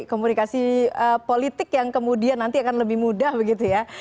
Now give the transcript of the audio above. komunikasi politik yang kemudian nanti akan lebih mudah begitu ya